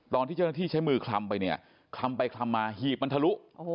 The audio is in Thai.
ตอนที่เจ้าหน้าที่ใช้มือคลำไปเนี่ยคลำไปคลำมาหีบมันทะลุ